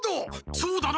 そうだな！